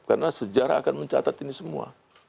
karena sejarah akan mencatat ini semua